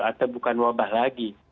atau bukan wabah lagi